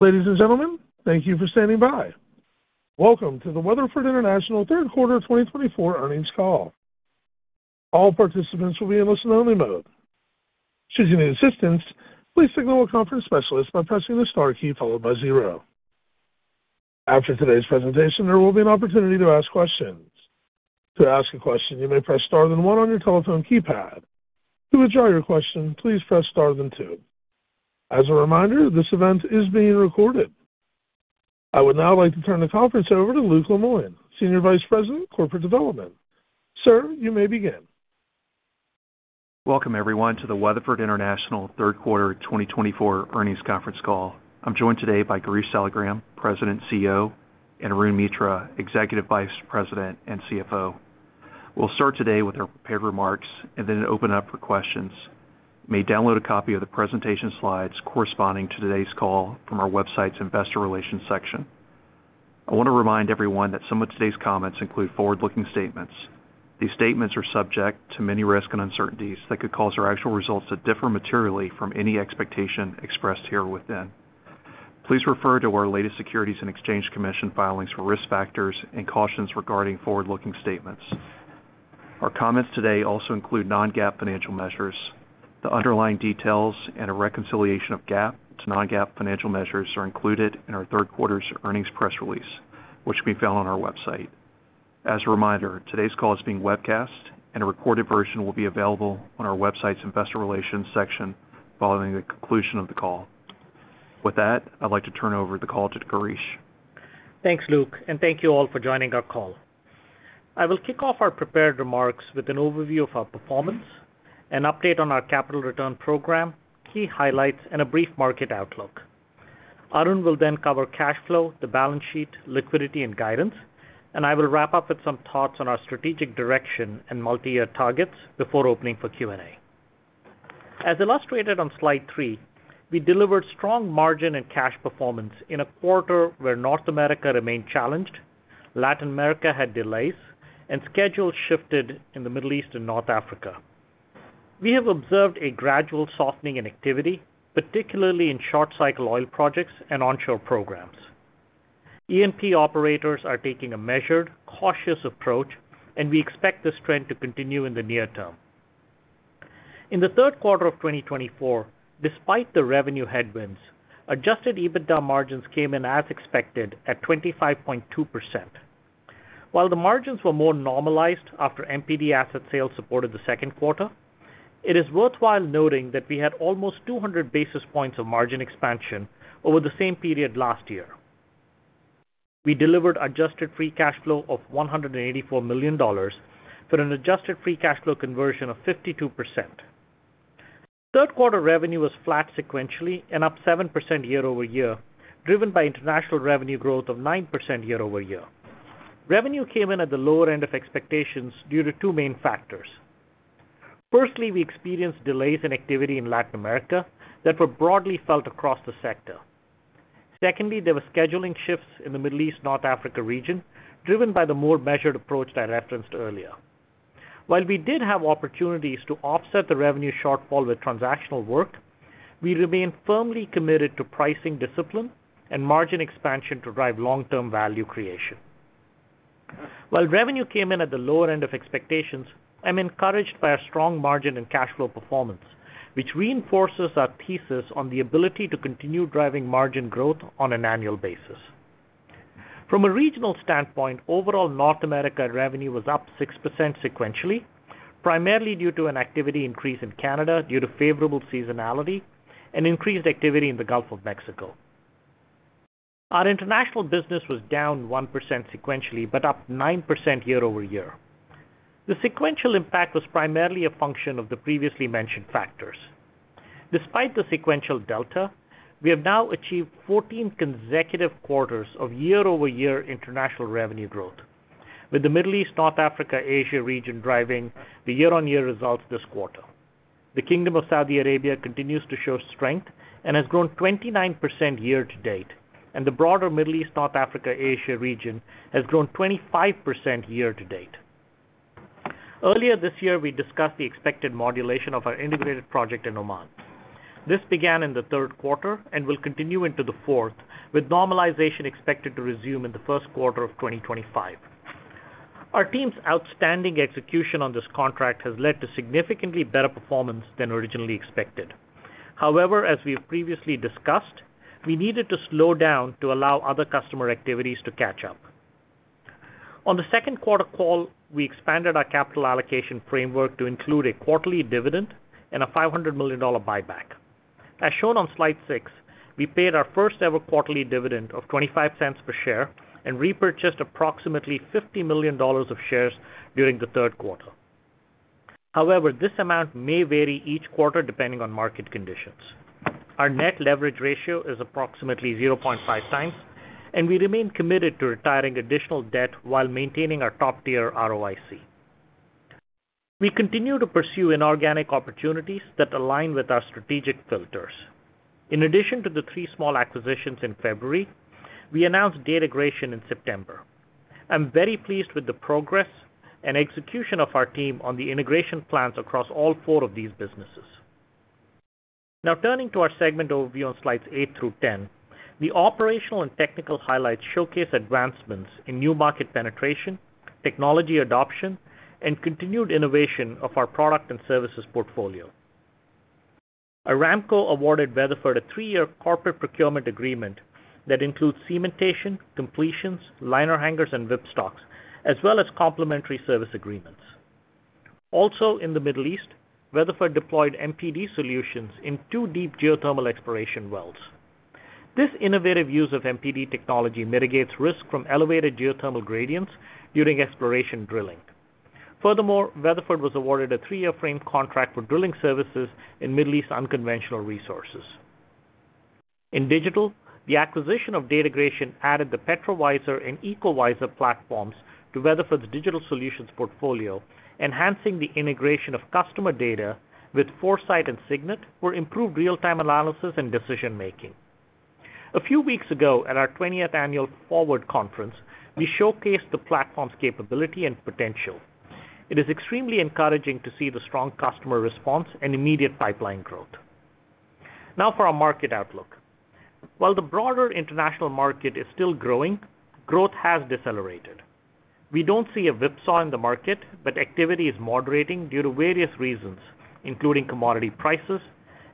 Ladies and gentlemen, thank you for standing by. Welcome to the Weatherford International 3rd Quarter 2024 Earnings Call. All participants will be in listen-only mode. Should you need assistance, please signal a conference specialist by pressing the star key followed by zero. After today's presentation, there will be an opportunity to ask questions. To ask a question, you may press star then one on your telephone keypad. To withdraw your question, please press star then two. As a reminder, this event is being recorded. I would now like to turn the conference over to Luke Lemoine, Senior Vice President of Corporate Development. Sir, you may begin. Welcome, everyone, to the Weatherford International 3rd Quarter 2024 Earnings Conference Call. I'm joined today by Girish Saligram, President, CEO, and Arun Mitra, Executive Vice President and CFO. We'll start today with our prepared remarks and then open up for questions. You may download a copy of the presentation slides corresponding to today's call from our website's Investor Relations section. I want to remind everyone that some of today's comments include forward-looking statements. These statements are subject to many risks and uncertainties that could cause our actual results to differ materially from any expectation expressed herein. Please refer to our latest Securities and Exchange Commission filings for risk factors and cautions regarding forward-looking statements. Our comments today also include non-GAAP financial measures. The underlying details and a reconciliation of GAAP to non-GAAP financial measures are included in our 3rd quarter's earnings press release, which can be found on our website. As a reminder, today's call is being webcast, and a recorded version will be available on our website's Investor Relations section following the conclusion of the call. With that, I'd like to turn over the call to Girish. Thanks, Luke, and thank you all for joining our call. I will kick off our prepared remarks with an overview of our performance, an update on our capital return program, key highlights, and a brief market outlook. Arun will then cover cash flow, the balance sheet, liquidity, and guidance, and I will wrap up with some thoughts on our strategic direction and multi-year targets before opening for Q&A. As illustrated on slide 3, we delivered strong margin and cash performance in a quarter where North America remained challenged, Latin America had delays, and schedules shifted in the Middle East and North Africa. We have observed a gradual softening in activity, particularly in short-cycle oil projects and onshore programs. E&P operators are taking a measured, cautious approach, and we expect this trend to continue in the near term. In the 3rd quarter of 2024, despite the revenue headwinds, adjusted EBITDA margins came in as expected at 25.2%. While the margins were more normalized after MPD asset sales supported the 2nd quarter, it is worthwhile noting that we had almost 200 basis points of margin expansion over the same period last year. We delivered adjusted free cash flow of $184 million for an adjusted free cash flow conversion of 52%. 3rd quarter revenue was flat sequentially and up 7% year-over-year, driven by international revenue growth of 9% year-over-year. Revenue came in at the lower end of expectations due to two main factors. Firstly, we experienced delays in activity in Latin America that were broadly felt across the sector. Secondly, there were scheduling shifts in the Middle East, North Africa region, driven by the more measured approach that I referenced earlier. While we did have opportunities to offset the revenue shortfall with transactional work, we remain firmly committed to pricing discipline and margin expansion to drive long-term value creation. While revenue came in at the lower end of expectations, I'm encouraged by our strong margin and cash flow performance, which reinforces our thesis on the ability to continue driving margin growth on an annual basis. From a regional standpoint, overall North America revenue was up 6% sequentially, primarily due to an activity increase in Canada due to favorable seasonality and increased activity in the Gulf of Mexico. Our international business was down 1% sequentially, but up 9% year-over-year. The sequential impact was primarily a function of the previously mentioned factors. Despite the sequential delta, we have now achieved fourteen consecutive quarters of year-over-year international revenue growth, with the Middle East, North Africa, Asia region driving the year-on-year results this quarter. The Kingdom of Saudi Arabia continues to show strength and has grown 29% year-to-date, and the broader Middle East, North Africa, Asia region has grown 25% year-to-date. Earlier this year, we discussed the expected modulation of our integrated project in Oman. This began in the 3rd quarter and will continue into the 4th quarter, with normalization expected to resume in the 1st quarter of 2025. Our team's outstanding execution on this contract has led to significantly better performance than originally expected. However, as we have previously discussed, we needed to slow down to allow other customer activities to catch up. On the 2nd quarter call, we expanded our capital allocation framework to include a quarterly dividend and a $500 million buyback. As shown on slide 6, we paid our first-ever quarterly dividend of $0.25 per share and repurchased approximately $50 million of shares during the 3rd quarter. However, this amount may vary each quarter depending on market conditions. Our net leverage ratio is approximately 0.5x, and we remain committed to retiring additional debt while maintaining our top-tier ROIC. We continue to pursue inorganic opportunities that align with our strategic filters. In addition to the three small acquisitions in February, we announced Datagration in September. I'm very pleased with the progress and execution of our team on the integration plans across all four of these businesses. Now, turning to our segment overview on slides eight through 10, the operational and technical highlights showcase advancements in new market penetration, technology adoption, and continued innovation of our product and services portfolio. Aramco awarded Weatherford a three-year corporate procurement agreement that includes cementation, completions, liner hangers, and whipstocks, as well as complementary service agreements. Also, in the Middle East, Weatherford deployed MPD solutions in two deep geothermal exploration wells. This innovative use of MPD technology mitigates risk from elevated geothermal gradients during exploration drilling. Furthermore, Weatherford was awarded a three-year frame contract for drilling services in Middle East unconventional resources. In digital, the acquisition of Datagration added the PetroVisor and EcoVisor platforms to Weatherford's digital solutions portfolio, enhancing the integration of customer data with ForeSite and CygNet for improved real-time analysis and decision-making. A few weeks ago, at our twentieth annual FWRD conference, we showcased the platform's capability and potential. It is extremely encouraging to see the strong customer response and immediate pipeline growth. Now for our market outlook. While the broader international market is still growing, growth has decelerated. We don't see a whipsaw in the market, but activity is moderating due to various reasons, including commodity prices,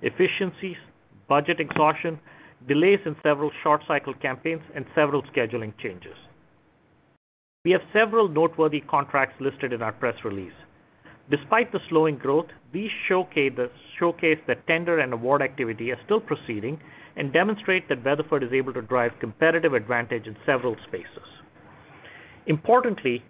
efficiencies, budget exhaustion, delays in several short-cycle campaigns, and several scheduling changes. We have several noteworthy contracts listed in our press release. Despite the slowing growth, these showcase that tender and award activity are still proceeding and demonstrate that Weatherford is able to drive competitive advantage in several spaces. Importantly,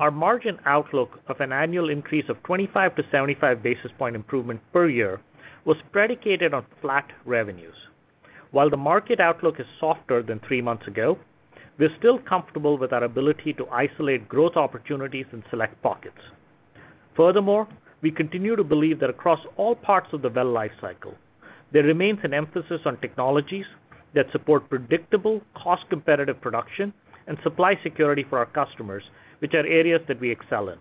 our margin outlook of an annual increase of 25-75 basis point improvement per year was predicated on flat revenues. While the market outlook is softer than three months ago, we're still comfortable with our ability to isolate growth opportunities in select pockets. Furthermore, we continue to believe that across all parts of the well life cycle, there remains an emphasis on technologies that support predictable, cost-competitive production and supply security for our customers, which are areas that we excel in.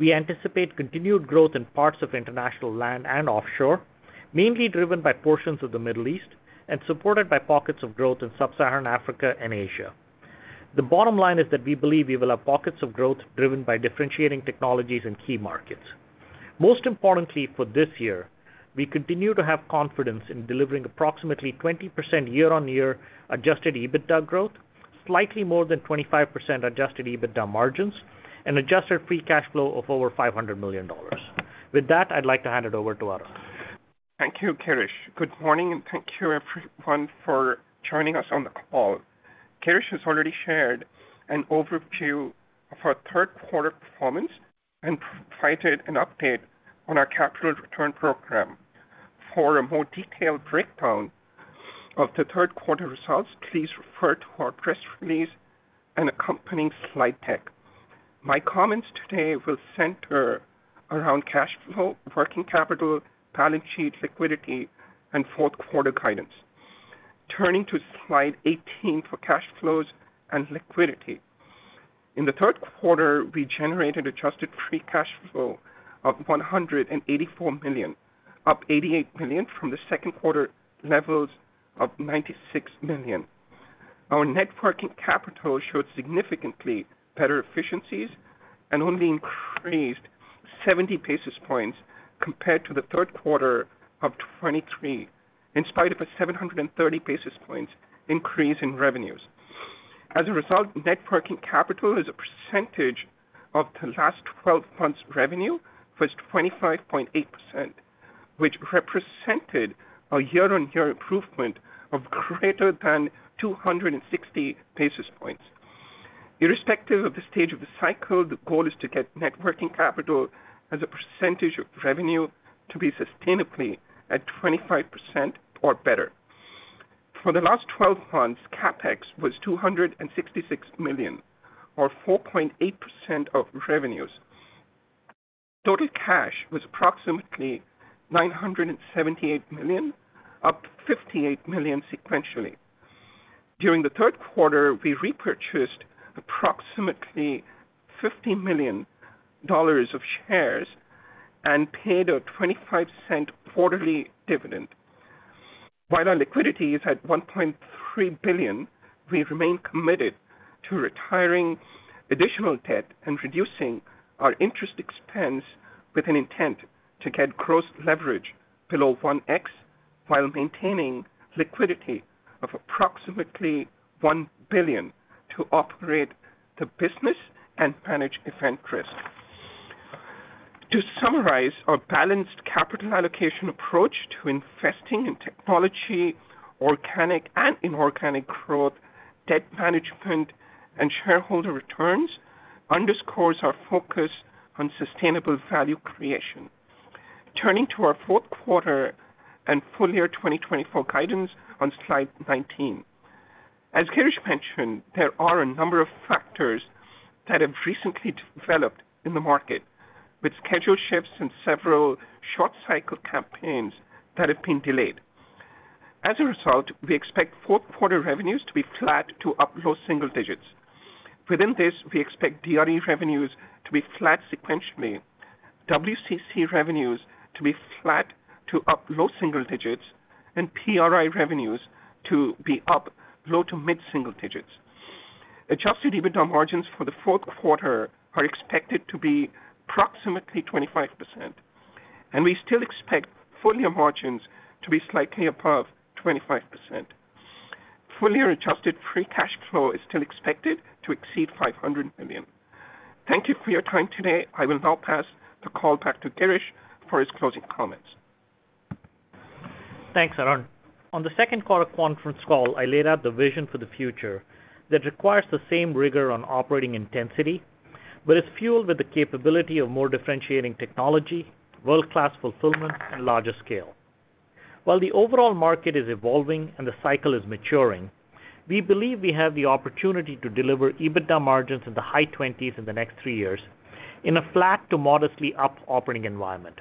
We anticipate continued growth in parts of international land and offshore, mainly driven by portions of the Middle East and supported by pockets of growth in Sub-Saharan Africa and Asia. The bottom line is that we believe we will have pockets of growth driven by differentiating technologies in key markets. Most importantly, for this year, we continue to have confidence in delivering approximately 20% year-on-year adjusted EBITDA growth, slightly more than 25% adjusted EBITDA margins, and adjusted free cash flow of over $500 million. With that, I'd like to hand it over to Arun. Thank you, Girish. Good morning, and thank you everyone for joining us on the call. Girish has already shared an overview of our 3rd quarter performance and provided an update on our capital return program. For a more detailed breakdown of the 3rd quarter results, please refer to our press release and accompanying slide deck. My comments today will center around cash flow, working capital, balance sheet liquidity, and 4th quarter guidance. Turning to slide 18 for cash flows and liquidity. In the 3rd quarter, we generated adjusted free cash flow of $184 million, up $88 million from the 2nd quarter levels of $96 million. Our net working capital showed significantly better efficiencies and only increased 70 basis points compared to the 3rd quarter of 2023, in spite of a 730 basis points increase in revenues. As a result, net working capital as a percentage of the last twelve months' revenue was 25.8%, which represented a year-on-year improvement of greater than 260 basis points. Irrespective of the stage of the cycle, the goal is to get net working capital as a percentage of revenue to be sustainably at 25% or better. For the last twelve months, CapEx was $266 million, or 4.8% of revenues. Total cash was approximately $978 million, up $58 million sequentially. During the 3rd quarter, we repurchased approximately $50 million of shares and paid a $0.25 quarterly dividend. While our liquidity is at $1.3 billion, we remain committed to retiring additional debt and reducing our interest expense with an intent to get gross leverage below 1x, while maintaining liquidity of approximately $1 billion to operate the business and manage event risk. To summarize, our balanced capital allocation approach to investing in technology, organic and inorganic growth, debt management, and shareholder returns underscores our focus on sustainable value creation. Turning to our 4th quarter and full year 2024 guidance on slide 19. As Girish mentioned, there are a number of factors that have recently developed in the market, with schedule shifts and several short-cycle campaigns that have been delayed. As a result, we expect 4th quarter revenues to be flat to up low single digits. Within this, we expect DRE revenues to be flat sequentially, WCC revenues to be flat to up low single digits, and PRI revenues to be up low to mid single digits. Adjusted EBITDA margins for the 4th quarter are expected to be approximately 25%, and we still expect full-year margins to be slightly above 25%. Full-year adjusted free cash flow is still expected to exceed $500 million. Thank you for your time today. I will now pass the call back to Girish for his closing comments. Thanks, Arun. On the 2nd quarter conference call, I laid out the vision for the future that requires the same rigor on operating intensity, but it's fueled with the capability of more differentiating technology, world-class fulfillment, and larger scale. While the overall market is evolving and the cycle is maturing, we believe we have the opportunity to deliver EBITDA margins in the high twenties in the next three years in a flat to modestly up operating environment.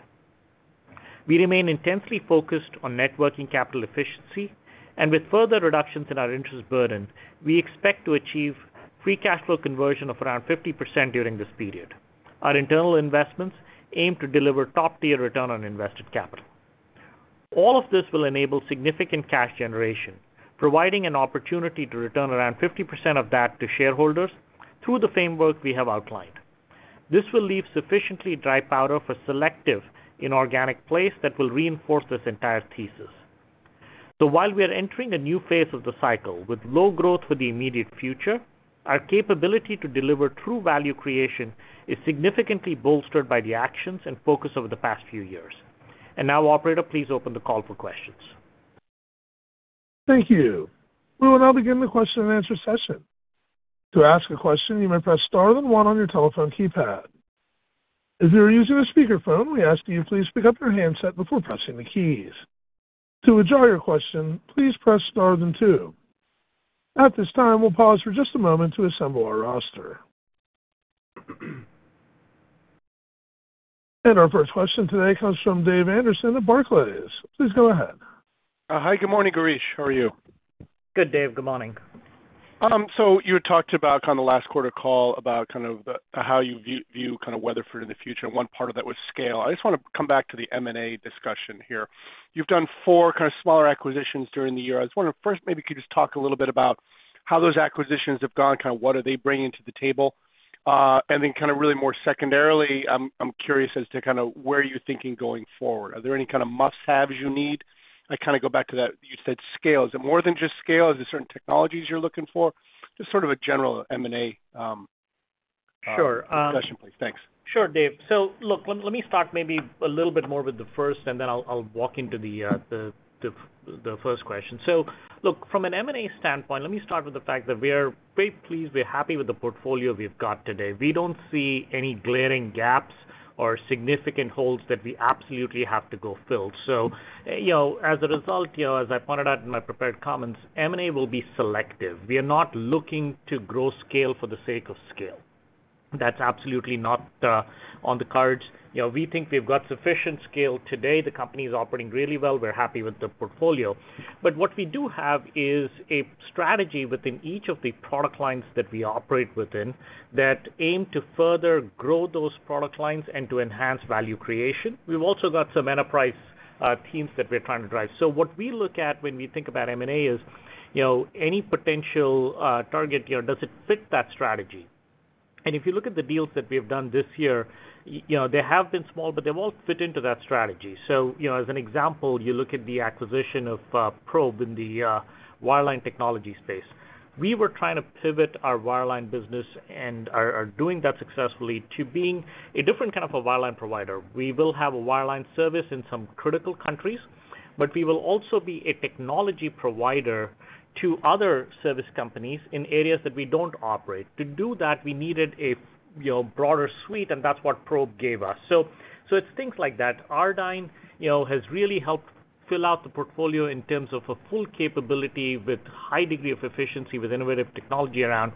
We remain intensely focused on net working capital efficiency, and with further reductions in our interest burden, we expect to achieve free cash flow conversion of around 50% during this period. Our internal investments aim to deliver top-tier return on invested capital. All of this will enable significant cash generation, providing an opportunity to return around 50% of that to shareholders through the framework we have outlined. This will leave sufficiently dry powder for selective inorganic plays that will reinforce this entire thesis. So while we are entering a new phase of the cycle with low growth for the immediate future, our capability to deliver true value creation is significantly bolstered by the actions and focus over the past few years. And now, operator, please open the call for questions. Thank you. We will now begin the question and answer session. To ask a question, you may press star then one on your telephone keypad. If you are using a speakerphone, we ask that you please pick up your handset before pressing the keys. To withdraw your question, please press star then two. At this time, we'll pause for just a moment to assemble our roster, and our first question today comes from Dave Anderson of Barclays. Please go ahead. Hi, good morning, Girish. How are you? Good, Dave. Good morning. So you had talked about on the last quarter call about kind of the, how you view kind of Weatherford in the future, and one part of that was scale. I just wanna come back to the M&A discussion here. You've done four kind of smaller acquisitions during the year. I was wondering, first, maybe you could just talk a little bit about how those acquisitions have gone, kind of what are they bringing to the table? and then kind of really more secondarily, I'm curious as to kind of where you're thinking going forward. Are there any kind of must-haves you need? I kind of go back to that, you said scale. Is it more than just scale? Is it certain technologies you're looking for? Just sort of a general M&A, Sure, um- Discussion, please. Thanks. Sure, Dave. So look, let me start maybe a little bit more with the first, and then I'll walk into the first question. So look, from an M&A standpoint, let me start with the fact that we are very pleased, we're happy with the portfolio we've got today. We don't see any glaring gaps or significant holes that we absolutely have to go fill. So, you know, as a result, you know, as I pointed out in my prepared comments, M&A will be selective. We are not looking to grow scale for the sake of scale. That's absolutely not on the cards. You know, we think we've got sufficient scale today. The company is operating really well. We're happy with the portfolio. But what we do have is a strategy within each of the product lines that we operate within, that aim to further grow those product lines and to enhance value creation. We've also got some enterprise teams that we're trying to drive. So what we look at when we think about M&A is, you know, any potential target, you know, does it fit that strategy? And if you look at the deals that we have done this year, you know, they have been small, but they've all fit into that strategy. So, you know, as an example, you look at the acquisition of Probe in the wireline technology space. We were trying to pivot our wireline business and are doing that successfully to being a different kind of a wireline provider. We will have a wireline service in some critical countries, but we will also be a technology provider to other service companies in areas that we don't operate. To do that, we needed a, you know, broader suite, and that's what Probe gave us. So, it's things like that. Ardyne, you know, has really helped fill out the portfolio in terms of a full capability with high degree of efficiency, with innovative technology around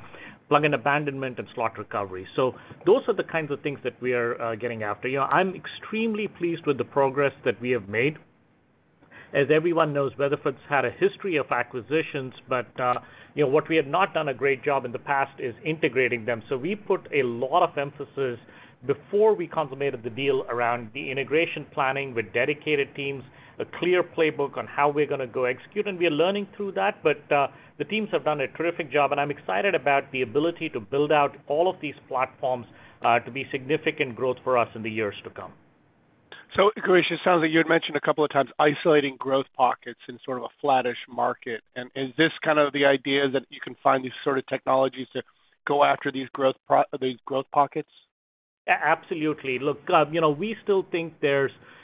plug and abandonment and slot recovery. So those are the kinds of things that we are getting after. You know, I'm extremely pleased with the progress that we have made. As everyone knows, Weatherford's had a history of acquisitions, but, you know, what we have not done a great job in the past is integrating them. So we put a lot of emphasis before we consummated the deal around the integration planning with dedicated teams, a clear playbook on how we're gonna go execute, and we are learning through that. But, the teams have done a terrific job, and I'm excited about the ability to build out all of these platforms, to be significant growth for us in the years to come. So Girish, it sounds like you had mentioned a couple of times, isolating growth pockets in sort of a flattish market. And is this kind of the idea that you can find these sort of technologies to go after these growth pockets? Absolutely. Look, you know, we still think there's, you know,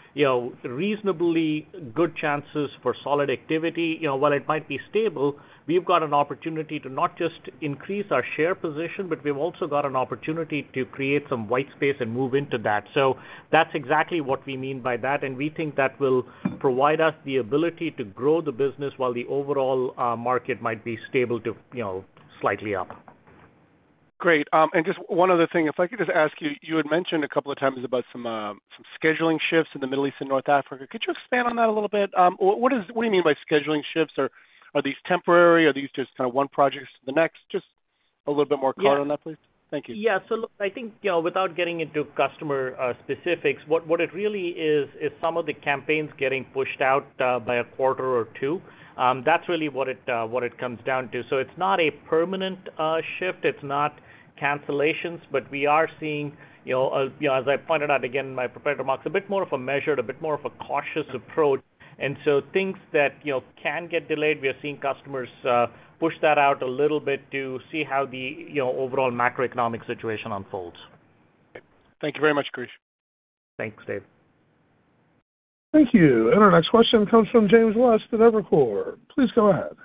reasonably good chances for solid activity. You know, while it might be stable, we've got an opportunity to not just increase our share position, but we've also got an opportunity to create some white space and move into that. So that's exactly what we mean by that, and we think that will provide us the ability to grow the business while the overall market might be stable to, you know, slightly up. Great, and just one other thing, if I could just ask you, you had mentioned a couple of times about some scheduling shifts in the Middle East and North Africa. Could you expand on that a little bit? What do you mean by scheduling shifts? Are these temporary? Are these just kind of one project to the next? Just a little bit more color on that, please. Thank you. Yeah. So look, I think, you know, without getting into customer specifics, what, what it really is, is some of the campaigns getting pushed out by a quarter or two. That's really what it comes down to. So it's not a permanent shift, it's not cancellations, but we are seeing, you know, as I pointed out again in my prepared remarks, a bit more of a measured, a bit more of a cautious approach. And so things that, you know, can get delayed, we are seeing customers push that out a little bit to see how the, you know, overall macroeconomic situation unfolds. Thank you very much, Girish. Thanks, Dave. Thank you. Our next question comes from James West at Evercore. Please go ahead.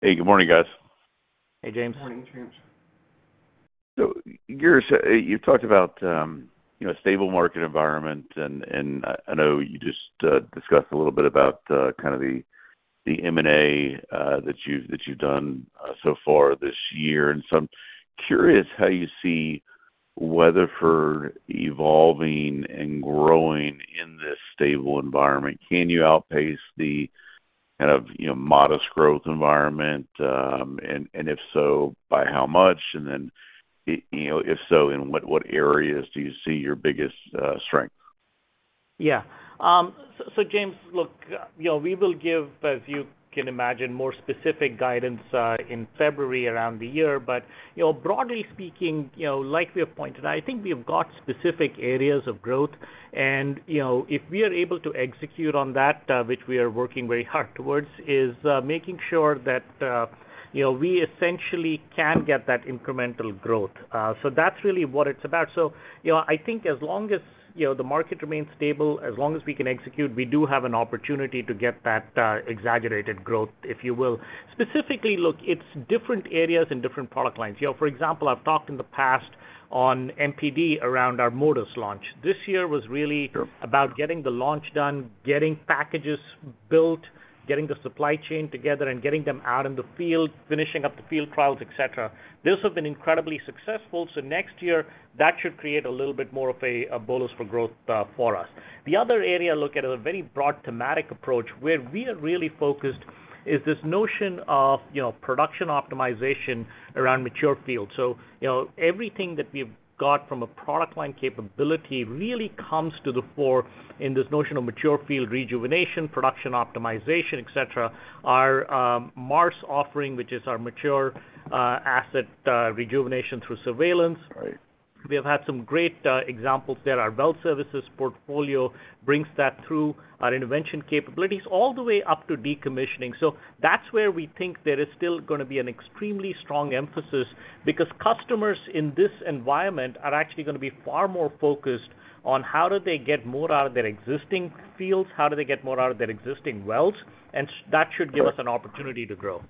Hey, good morning, guys. Hey, James. Good morning, James. Girish, you've talked about you know, stable market environment, and I know you just discussed a little bit about kind of the M&A that you've done so far this year. I'm curious how you see Weatherford evolving and growing in this stable environment. Can you outpace the kind of you know, modest growth environment? And if so, by how much? And then you know, if so, in what areas do you see your biggest strength? Yeah. So, James, look, you know, we will give, as you can imagine, more specific guidance in February around the year, but, you know, broadly speaking, you know, like we have pointed out, I think we have got specific areas of growth, and, you know, if we are able to execute on that, which we are working very hard towards, is making sure that, you know, we essentially can get that incremental growth, so that's really what it's about, so, you know, I think as long as, you know, the market remains stable, as long as we can execute, we do have an opportunity to get that exaggerated growth, if you will. Specifically, look, it's different areas and different product lines. You know, for example, I've talked in the past on MPD around our Modus launch. This year was really.. Sure. about getting the launch done, getting packages built, getting the supply chain together, and getting them out in the field, finishing up the field trials, et cetera. This has been incredibly successful. So next year, that should create a little bit more of a bolus for growth, for us. The other area, look at a very broad thematic approach, where we are really focused is this notion of, you know, production optimization around mature fields. So, you know, everything that we've got from a product line capability really comes to the fore in this notion of mature field rejuvenation, production optimization, et cetera. Our MARS offering, which is our mature asset rejuvenation through surveillance. Right. We have had some great examples there. Our well services portfolio brings that through our intervention capabilities, all the way up to decommissioning. That's where we think there is still gonna be an extremely strong emphasis, because customers in this environment are actually gonna be far more focused on how do they get more out of their existing fields, how do they get more out of their existing wells, and that should give us an opportunity to grow.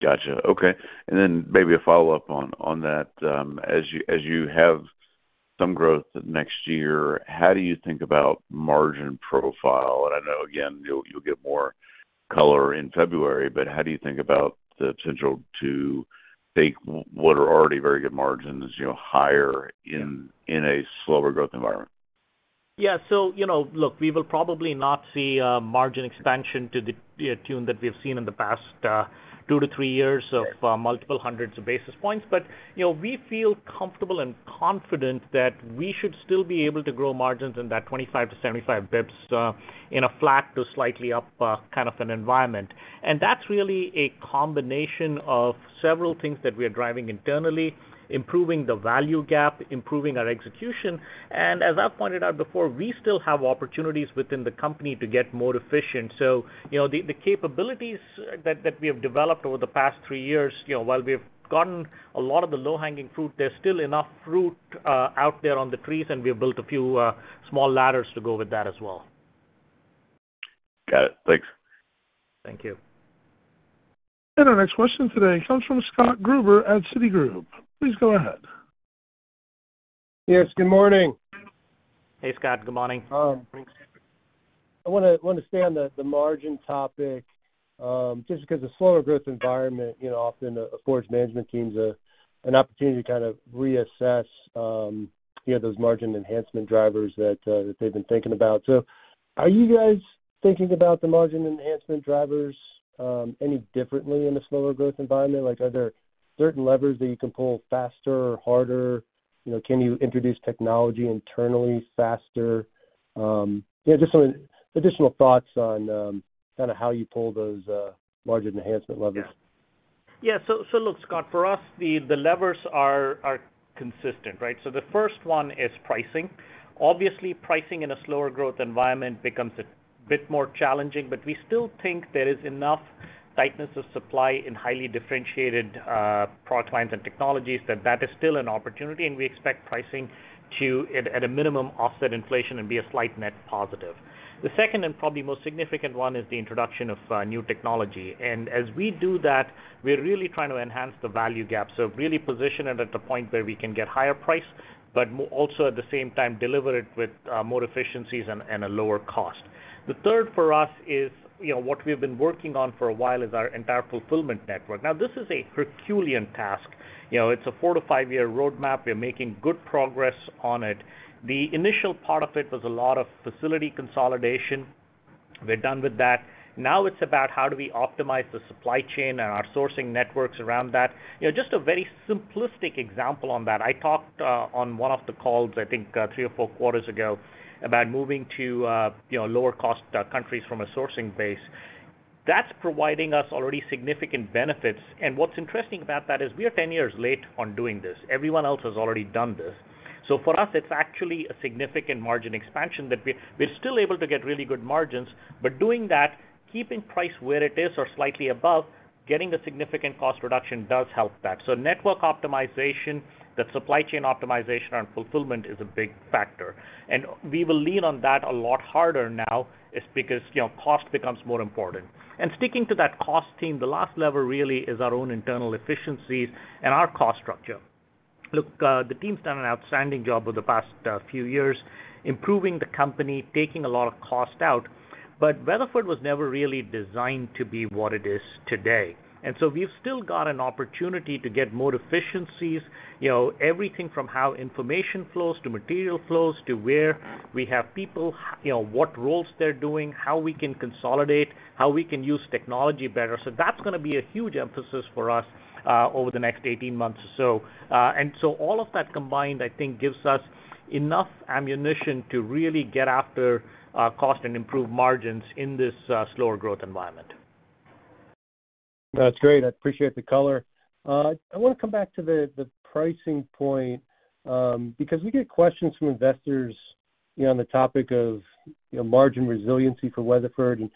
Gotcha. Okay, and then maybe a follow-up on that. As you have some growth next year, how do you think about margin profile? And I know, again, you'll get more color in February, but how do you think about the potential to take what are already very good margins, you know, higher in a slower growth environment? Yeah. So, you know, look, we will probably not see a margin expansion to the tune that we've seen in the past two to three years-of multiple hundreds of basis points. But you know, we feel comfortable and confident that we should still be able to grow margins in that 25-75 basis points in a flat to slightly up kind of an environment. And that's really a combination of several things that we are driving internally, improving the value gap, improving our execution, and as I've pointed out before, we still have opportunities within the company to get more efficient. So you know, the capabilities that we have developed over the past three years, you know, while we've gotten a lot of the low-hanging fruit, there's still enough fruit out there on the trees, and we've built a few small ladders to go with that as well. Got it. Thanks. Thank you. Our next question today comes from Scott Gruber at Citigroup. Please go ahead. Yes, good morning. Hey, Scott. Good morning. Um, I wanna stay on the margin topic, just because the slower growth environment, you know, often affords management teams an opportunity to kind of reassess, you know, those margin enhancement drivers that they've been thinking about. So are you guys thinking about the margin enhancement drivers any differently in a slower growth environment? Like, are there certain levers that you can pull faster or harder? You know, can you introduce technology internally faster? Yeah, just some additional thoughts on kind of how you pull those margin enhancement levers. Yeah. Yeah, so look, Scott, for us, the levers are consistent, right? So the first one is pricing. Obviously, pricing in a slower growth environment becomes a bit more challenging, but we still think there is enough tightness of supply in highly differentiated product lines and technologies that is still an opportunity, and we expect pricing to, at a minimum, offset inflation and be a slight net positive. The second and probably most significant one is the introduction of new technology. And as we do that, we're really trying to enhance the value gap, so really position it at the point where we can get higher price, but also, at the same time, deliver it with more efficiencies and a lower cost. The third for us is, you know, what we've been working on for a while, is our entire fulfillment network. Now, this is a herculean task, you know, it's a four- to five-year roadmap. We're making good progress on it. The initial part of it was a lot of facility consolidation. We're done with that. Now it's about how do we optimize the supply chain and our sourcing networks around that? You know, just a very simplistic example on that, I talked on one of the calls, I think, three or four quarters ago, about moving to, you know, lower cost countries from a sourcing base. That's providing us already significant benefits, and what's interesting about that is we are 10 years late on doing this. Everyone else has already done this. So for us, it's actually a significant margin expansion that we're still able to get really good margins, but doing that, keeping price where it is or slightly above, getting a significant cost reduction does help that. So network optimization, the supply chain optimization and fulfillment is a big factor. And we will lean on that a lot harder now, is because, you know, cost becomes more important. And sticking to that cost theme, the last level really is our own internal efficiencies and our cost structure. Look, the team's done an outstanding job over the past few years, improving the company, taking a lot of cost out. Weatherford was never really designed to be what it is today, and so we've still got an opportunity to get more efficiencies, you know, everything from how information flows to material flows, to where we have people, you know, what roles they're doing, how we can consolidate, how we can use technology better. So that's gonna be a huge emphasis for us over the next eighteen months or so. All of that combined, I think, gives us enough ammunition to really get after cost and improve margins in this slower growth environment. That's great. I appreciate the color. I wanna come back to the pricing point, because we get questions from investors, you know, on the topic of, you know, margin resiliency for Weatherford.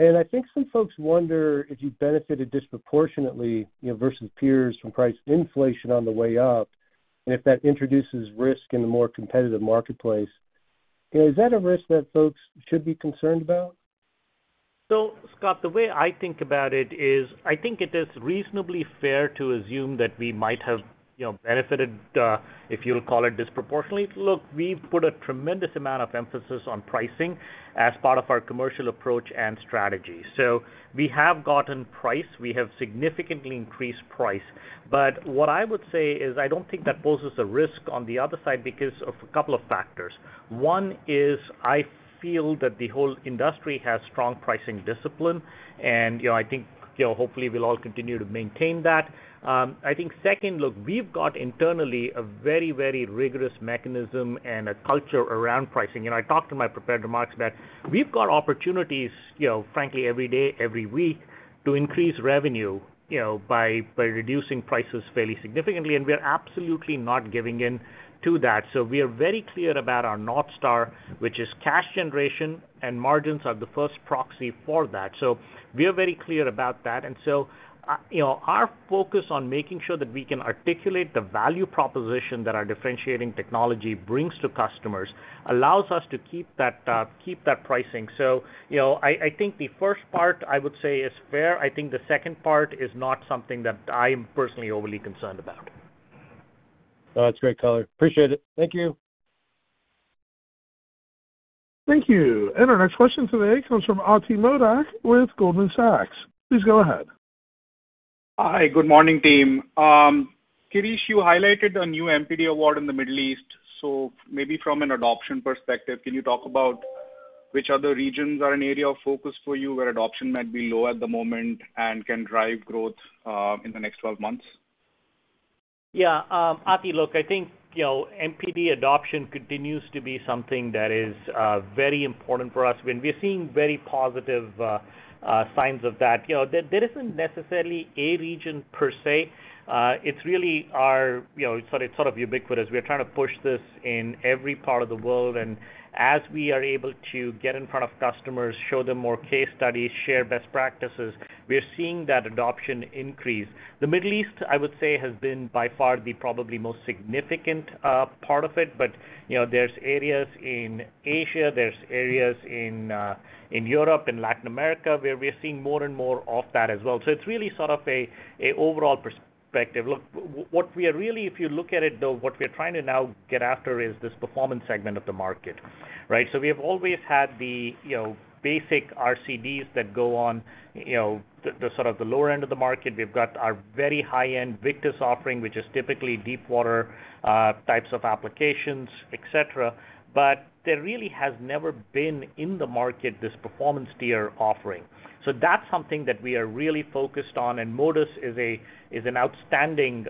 I think some folks wonder if you benefited disproportionately, you know, versus peers from price inflation on the way up, and if that introduces risk in the more competitive marketplace. You know, is that a risk that folks should be concerned about? So, Scott, the way I think about it is, I think it is reasonably fair to assume that we might have, you know, benefited, if you'll call it disproportionately. Look, we've put a tremendous amount of emphasis on pricing as part of our commercial approach and strategy. So we have gotten price, we have significantly increased price. But what I would say is, I don't think that poses a risk on the other side because of a couple of factors. One is, I feel that the whole industry has strong pricing discipline, and, you know, I think, you know, hopefully we'll all continue to maintain that. I think, second, look, we've got internally a very, very rigorous mechanism and a culture around pricing. I talked in my prepared remarks that we've got opportunities, you know, frankly, every day, every week, to increase revenue, you know, by reducing prices fairly significantly, and we are absolutely not giving in to that. So we are very clear about our North Star, which is cash generation, and margins are the first proxy for that. So we are very clear about that. And so, you know, our focus on making sure that we can articulate the value proposition that our differentiating technology brings to customers allows us to keep that pricing. So, you know, I think the first part I would say is fair. I think the second part is not something that I am personally overly concerned about. Oh, that's great color. Appreciate it. Thank you. Thank you, and our next question today comes from Ati Modak with Goldman Sachs. Please go ahead. Hi, good morning, team. Girish, you highlighted a new MPD award in the Middle East, so maybe from an adoption perspective, can you talk about which other regions are an area of focus for you, where adoption might be low at the moment and can drive growth, in the next twelve months? Yeah, Ati, look, I think, you know, MPD adoption continues to be something that is very important for us, when we're seeing very positive signs of that. You know, there isn't necessarily a region per se. It's really our... You know, so it's sort of ubiquitous. We're trying to push this in every part of the world, and as we are able to get in front of customers, show them more case studies, share best practices, we are seeing that adoption increase. The Middle East, I would say, has been by far the probably most significant part of it. But, you know, there's areas in Asia, there's areas in Europe and Latin America, where we are seeing more and more of that as well. So it's really sort of a overall perspective. Look, what we are really, if you look at it, though, what we're trying to now get after is this performance segment of the market, right? So we have always had the, you know, basic RCDs that go on, you know, the, the sort of the lower end of the market. We've got our very high-end Victus offering, which is typically deep water types of applications, et cetera. But there really has never been in the market, this performance tier offering. So that's something that we are really focused on, and Modus is a, is an outstanding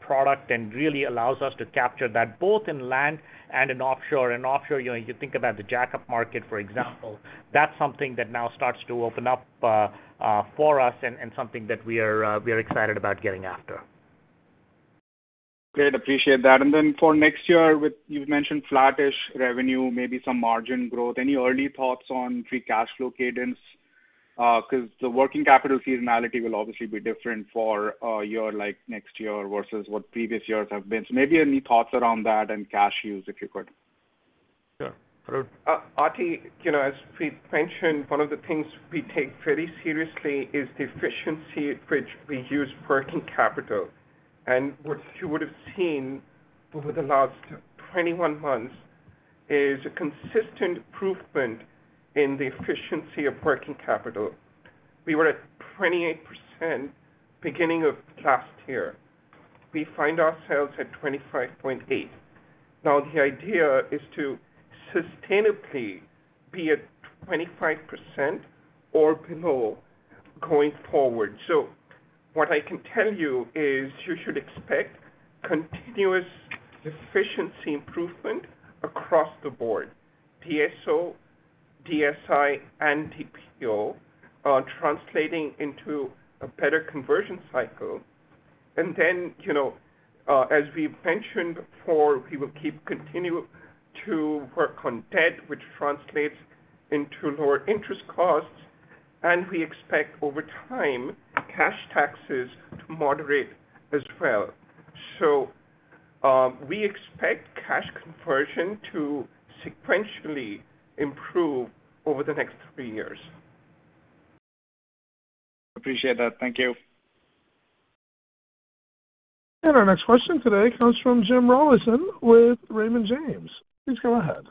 product, and really allows us to capture that, both in land and in offshore. Offshore, you know, you think about the jackup market, for example. That's something that now starts to open up for us and something that we are excited about getting after. Great, appreciate that. And then for next year, with you've mentioned flattish revenue, maybe some margin growth. Any early thoughts on free cash flow cadence? 'Cause the working capital seasonality will obviously be different for, your, like, next year versus what previous years have been. So maybe any thoughts around that and cash use, if you could. Sure, Arun? Ati, you know, as we've mentioned, one of the things we take very seriously is the efficiency at which we use working capital. And what you would have seen over the last 21 months is a consistent improvement in the efficiency of working capital. We were at 28% beginning of last year. We find ourselves at 25.8%. Now, the idea is to sustainably be at 25% or below going forward. So what I can tell you is you should expect continuous efficiency improvement across the board, DSO, DSI, and DPO, translating into a better conversion cycle. And then, you know, as we mentioned before, we will continue to work on debt, which translates into lower interest costs, and we expect over time, cash taxes to moderate as well. So, we expect cash conversion to sequentially improve over the next three years. Appreciate that. Thank you. Our next question today comes from Jim Rollyson with Raymond James. Please go ahead.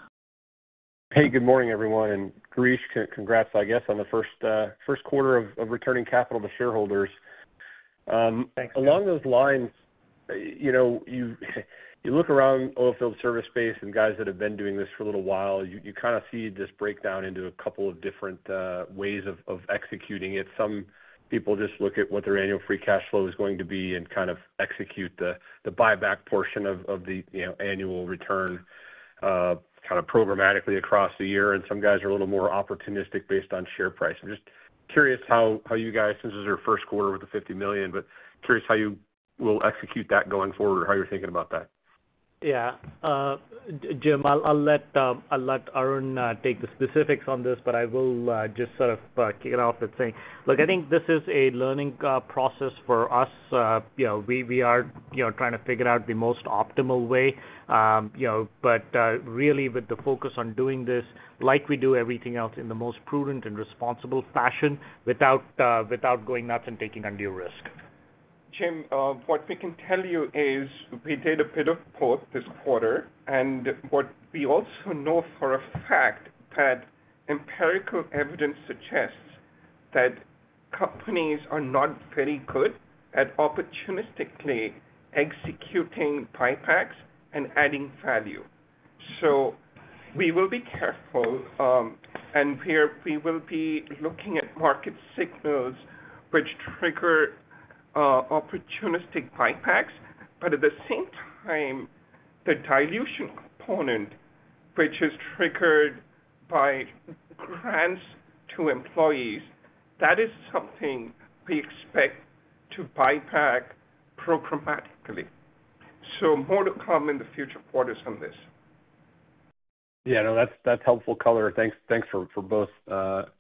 Hey, good morning, everyone, and Girish, congrats, I guess, on the 1st quarter of returning capital to shareholders. Thanks. Along those lines, you know, you look around oil field service space and guys that have been doing this for a little while, you kind of see this breakdown into a couple of different ways of executing it. Some people just look at what their annual free cash flow is going to be and kind of execute the buyback portion of the, you know, annual return kind of programmatically across the year, and some guys are a little more opportunistic based on share price. I'm just curious how you guys, this is your 1st quarter with the $50 million, but curious how you will execute that going forward or how you're thinking about that. Yeah, Jim, I'll let Arun take the specifics on this, but I will just sort of kick it off by saying, look, I think this is a learning process for us. You know, we are trying to figure out the most optimal way, you know, but really with the focus on doing this like we do everything else in the most prudent and responsible fashion, without going nuts and taking undue risk. Jim, what we can tell you is we did a bit of both this quarter, and what we also know for a fact that empirical evidence suggests that companies are not very good at opportunistically executing buybacks and adding value. So we will be careful, and we will be looking at market signals which trigger opportunistic buybacks, but at the same time, the dilution component, which is triggered by grants to employees, that is something we expect to buy back programmatically. So more to come in the future quarters on this. Yeah, no, that's, that's helpful color. Thanks for both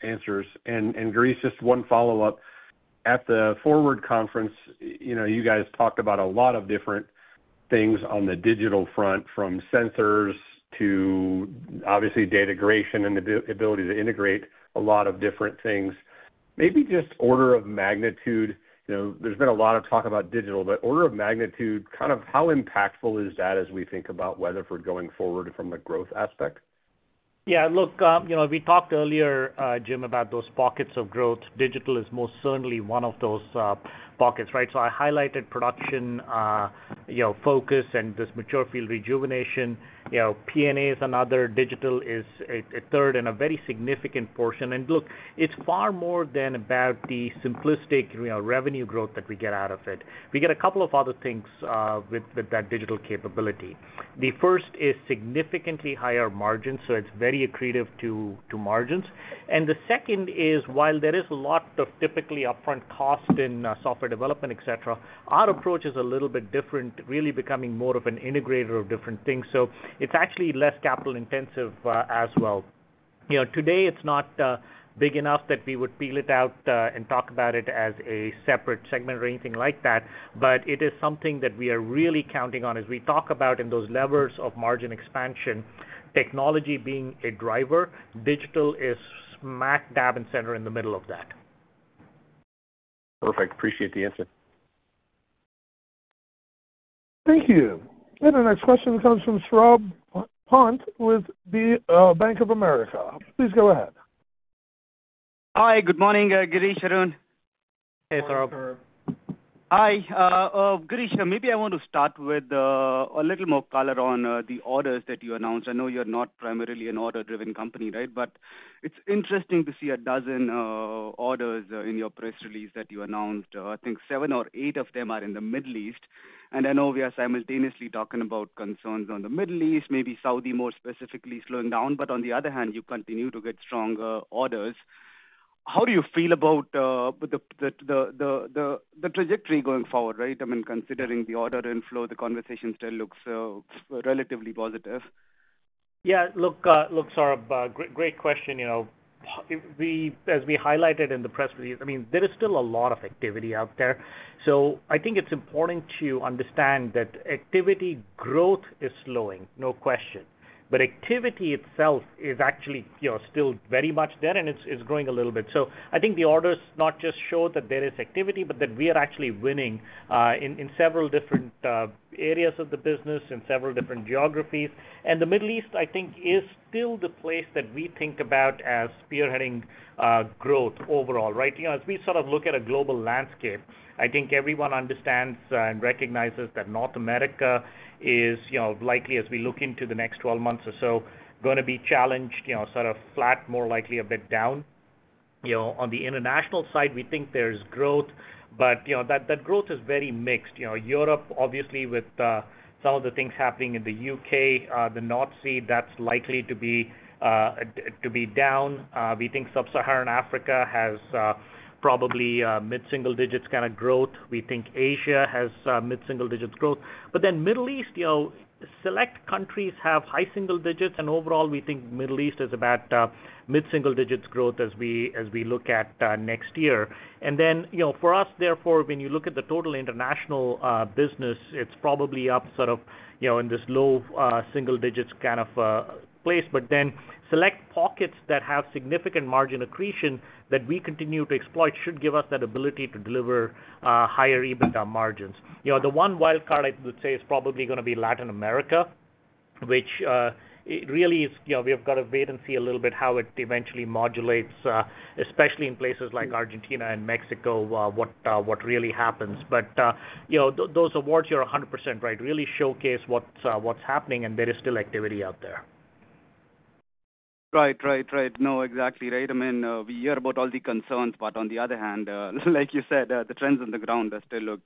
answers. And Girish, just one follow-up. At the FWRD Conference, you know, you guys talked about a lot of different things on the digital front, from sensors to obviously data curation and the ability to integrate a lot of different things. Maybe just order of magnitude, you know, there's been a lot of talk about digital, but order of magnitude, kind of how impactful is that as we think about Weatherford going forward from a growth aspect? Yeah, look, you know, we talked earlier, Jim, about those pockets of growth. Digital is most certainly one of those pockets, right? So I highlighted production, you know, focus and this mature field rejuvenation. You know, P&A is another, digital is a third and a very significant portion. And look, it's far more than about the simplistic, you know, revenue growth that we get out of it. We get a couple of other things with that digital capability. The first is significantly higher margins, so it's very accretive to margins. And the second is, while there is a lot of typically upfront cost in software development, et cetera, our approach is a little bit different, really becoming more of an integrator of different things. So it's actually less capital intensive, as well. You know, today, it's not big enough that we would peel it out and talk about it as a separate segment or anything like that, but it is something that we are really counting on. As we talk about in those levers of margin expansion, technology being a driver, digital is smack dab and center in the middle of that. Perfect. Appreciate the answer. Thank you. And the next question comes from Saurabh Pant with Bank of America. Please go ahead. Hi, good morning, Girish, Arun. Hey, Saurabh. Hi, Girish, maybe I want to start with a little more color on the orders that you announced. I know you're not primarily an order-driven company, right? But it's interesting to see a dozen orders in your press release that you announced. I think seven or eight of them are in the Middle East. And I know we are simultaneously talking about concerns on the Middle East, maybe Saudi more specifically slowing down, but on the other hand, you continue to get stronger orders. How do you feel about the trajectory going forward, right? I mean, considering the order inflow, the conversation still looks relatively positive. Yeah, look, Saurabh, great question. You know, we as we highlighted in the press release, I mean, there is still a lot of activity out there. So I think it's important to understand that activity growth is slowing, no question. But activity itself is actually, you know, still very much there, and it's growing a little bit. So I think the orders not just show that there is activity, but that we are actually winning in several different areas of the business, in several different geographies. And the Middle East, I think, is still the place that we think about as spearheading growth overall, right? You know, as we sort of look at a global landscape, I think everyone understands and recognizes that North America is, you know, likely as we look into the next twelve months or so, gonna be challenged, you know, sort of flat, more likely a bit down. You know, on the international side, we think there's growth, but, you know, that growth is very mixed. You know, Europe, obviously, with some of the things happening in the UK, the North Sea, that's likely to be down. We think Sub-Saharan Africa has, probably, mid-single digits kind of growth. We think Asia has, mid-single digits growth. But then Middle East, you know, select countries have high single digits, and overall, we think Middle East is about mid-single digits growth as we look at next year. And then, you know, for us, therefore, when you look at the total international business, it's probably up sort of, you know, in this low single digits kind of place. But then select pockets that have significant margin accretion that we continue to exploit, should give us that ability to deliver higher EBITDA margins. You know, the one wild card I would say is probably gonna be Latin America, which really is. You know, we've got to wait and see a little bit how it eventually modulates, especially in places like Argentina and Mexico, what really happens. But, you know, those awards, you're 100% right, really showcase what's happening, and there is still activity out there. Right, right, right. No, exactly, right. I mean, we hear about all the concerns, but on the other hand, like you said, the trends on the ground, they still look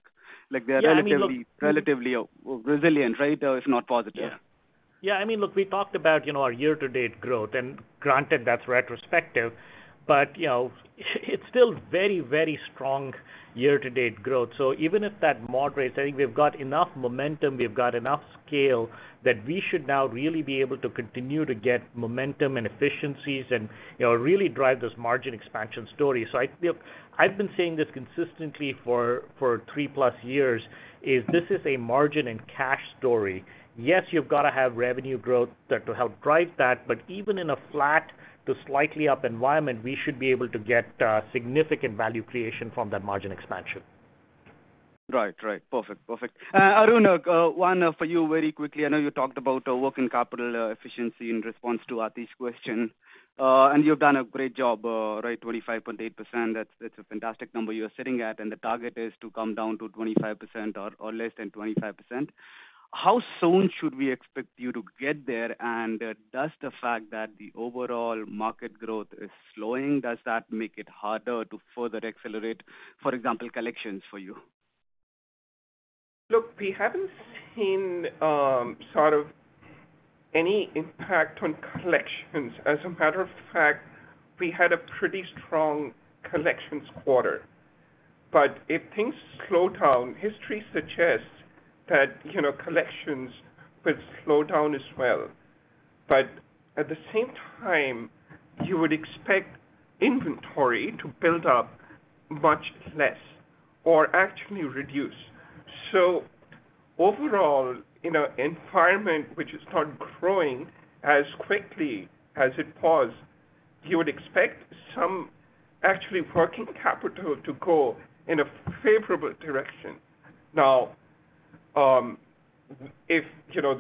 like they're- Yeah, I mean, look-... relatively resilient, right? If not positive. Yeah. Yeah, I mean, look, we talked about, you know, our year-to-date growth, and granted, that's retrospective, but, you know, it's still very, very strong year-to-date growth. So even if that moderates, I think we've got enough momentum, we've got enough scale, that we should now really be able to continue to get momentum and efficiencies and, you know, really drive this margin expansion story. So I, you know, I've been saying this consistently for, for three-plus years, is this is a margin and cash story. Yes, you've got to have revenue growth to, to help drive that, but even in a flat to slightly up environment, we should be able to get significant value creation from that margin expansion. Right. Perfect. Arun, one for you very quickly. I know you talked about working capital efficiency in response to Ati's question. And you've done a great job, right, 25.8%. That's a fantastic number you're sitting at, and the target is to come down to 25% or less than 25%. How soon should we expect you to get there? And does the fact that the overall market growth is slowing does that make it harder to further accelerate, for example, collections for you? Look, we haven't seen sort of any impact on collections. As a matter of fact, we had a pretty strong collections quarter. But if things slow down, history suggests that, you know, collections will slow down as well. But at the same time, you would expect inventory to build up much less or actually reduce. So overall, in an environment which is not growing as quickly as it was, you would expect some actually working capital to go in a favorable direction. Now, if, you know,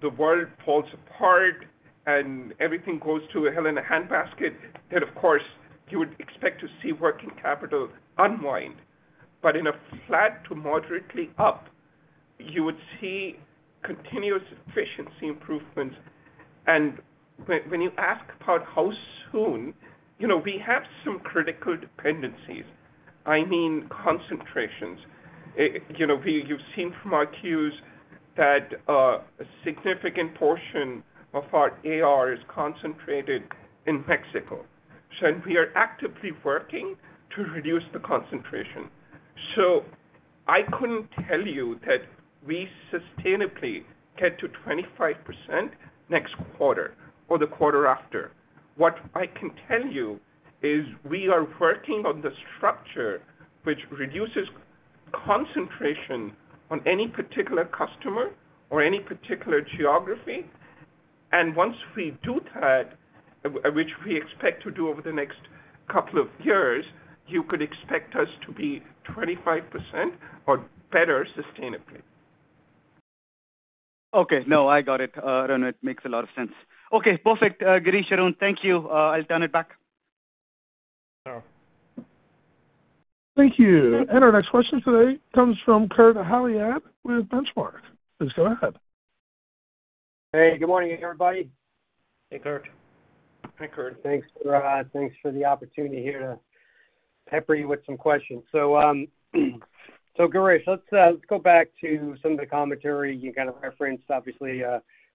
the world falls apart and everything goes to hell in a handbasket, then of course, you would expect to see working capital unwind. But in a flat to moderately up, you would see continuous efficiency improvements. And when you ask about how soon, you know, we have some critical dependencies, I mean, concentrations. You know, you've seen from our Qs that a significant portion of our AR is concentrated in Mexico, so we are actively working to reduce the concentration. I couldn't tell you that we sustainably get to 25% next quarter or the quarter after. What I can tell you is, we are working on the structure which reduces concentration on any particular customer or any particular geography. Once we do that, which we expect to do over the next couple of years, you could expect us to be 25% or better, sustainably. Okay. No, I got it. I know it makes a lot of sense. Okay, perfect. Girish, Arun, thank you. I'll turn it back. Sure. Thank you. And our next question today comes from Kurt Hallead with Benchmark. Please go ahead. Hey, good morning, everybody. Hey, Kurt. Hi, Kurt. Thanks, Arun. Thanks for the opportunity here to pepper you with some questions. So, Girish, let's go back to some of the commentary you kind of referenced. Obviously,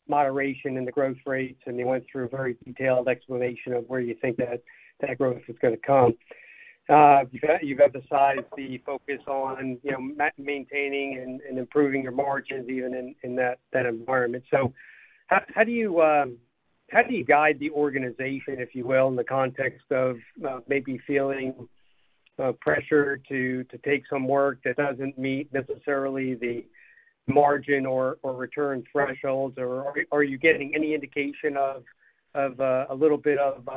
moderation in the growth rates, and you went through a very detailed explanation of where you think that growth is gonna come. You've emphasized the focus on, you know, maintaining and improving your margins even in that environment. So how do you guide the organization, if you will, in the context of maybe feeling pressure to take some work that doesn't meet necessarily the margin or return thresholds? Or are you getting any indication of a little bit of,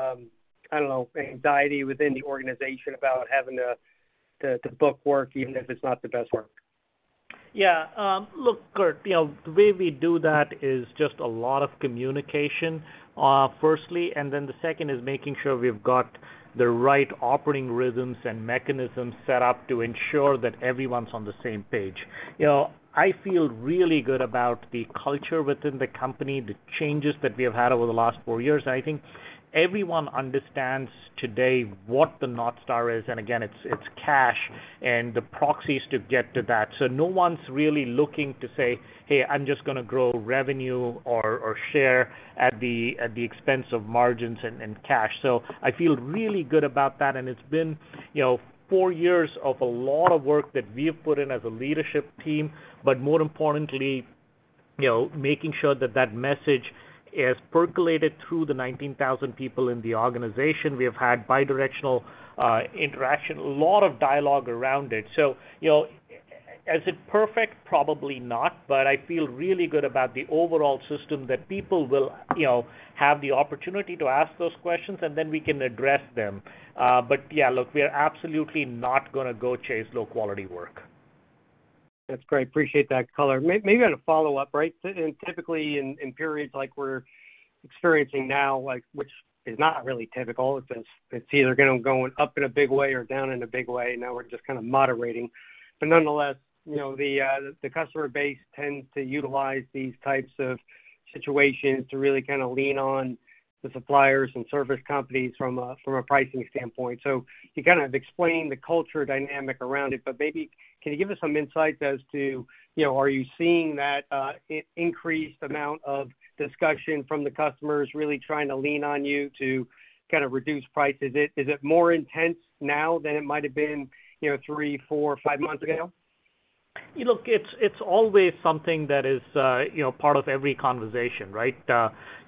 I don't know, anxiety within the organization about having to book work, even if it's not the best work? Yeah. Look, Kurt, you know, the way we do that is just a lot of communication, firstly, and then the second is making sure we've got the right operating rhythms and mechanisms set up to ensure that everyone's on the same page. You know, I feel really good about the culture within the company, the changes that we have had over the last four years. I think everyone understands today what the North Star is, and again, it's cash and the proxies to get to that. So no one's really looking to say, "Hey, I'm just gonna grow revenue or share at the expense of margins and cash." So I feel really good about that, and it's been, you know, four years of a lot of work that we have put in as a leadership team, but more importantly, you know, making sure that that message has percolated through the 19,000 people in the organization. We have had bidirectional interaction, a lot of dialogue around it. So, you know, is it perfect? Probably not, but I feel really good about the overall system that people will, you know, have the opportunity to ask those questions, and then we can address them. But yeah, look, we are absolutely not gonna go chase low-quality work. That's great. Appreciate that color. Maybe on a follow-up, right? And typically, in periods like we're experiencing now, like, which is not really typical, it's either gonna go up in a big way or down in a big way, now we're just kind of moderating. But nonetheless, you know, the customer base tends to utilize these types of situations to really kinda lean on the suppliers and service companies from a pricing standpoint. So you kind of explained the customer dynamic around it, but maybe can you give us some insights as to, you know, are you seeing that increased amount of discussion from the customers really trying to lean on you to kind of reduce prices? Is it more intense now than it might have been, you know, three, four, five months ago? Look, it's always something that is, you know, part of every conversation, right?